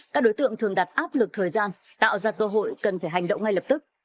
các đối tượng thường đặt áp lực thời gian tạo ra cơ hội cần phải hành động ngay lập tức